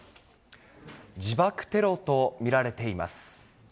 自爆テロと見られています。